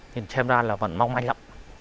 nhìn xem ra là vẫn mong manh lắm